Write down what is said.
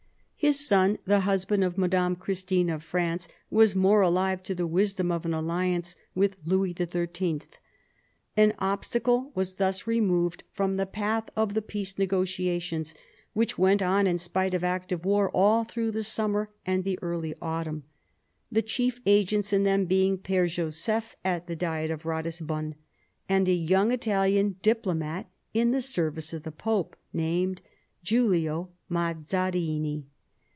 His son, the husband of Madame Christine of France, was more alive to the wisdom of an alliance with Louis XIII. An obstacle was thus removed from the path of the peace negotiations, which went on in spite of active war all through the summer and the early autumn ; the chief agents in them being Pere Joseph, at the Diet of Ratisbon, and a young Italian diplomat in the service of the Pope, named Giulio Mazarini.